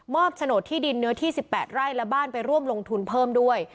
โฉนดที่ดินเนื้อที่๑๘ไร่และบ้านไปร่วมลงทุนเพิ่มด้วย